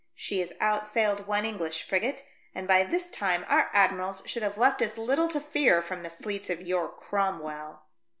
"She has outsailed one English frigate, and by this time our Admirals should have left us little to fear from the fleets of your Cromwell."